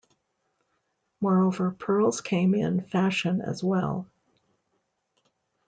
Moreover, pearls came in fashion as well.